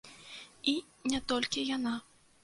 І не толькі яна.